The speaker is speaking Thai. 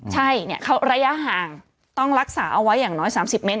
ใช่เขาระยะห่างต้องรักษาเอาไว้อย่างน้อย๓๐เมตร